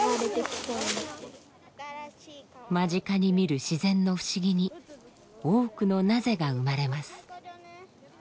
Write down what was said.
間近に見る自然の不思議に多くのなぜ？が生まれます。